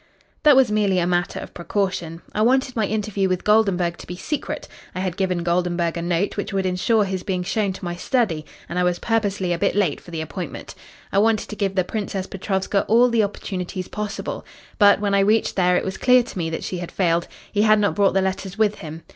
"That was merely a matter of precaution. I wanted my interview with Goldenburg to be secret. I had given Goldenburg a note which would ensure his being shown to my study and I was purposely a bit late for the appointment. I wanted to give the Princess Petrovska all the opportunities possible. But when I reached there it was clear to me that she had failed. He had not brought the letters with him.